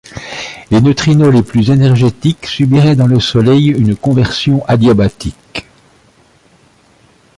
Les neutrinos les plus énergétiques subiraient dans le Soleil une conversion adiabatique.